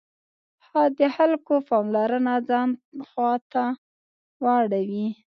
د خلکو پاملرنه ځان خواته واړوي.